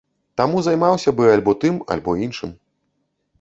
Таму займаўся бы альбо тым, альбо іншым.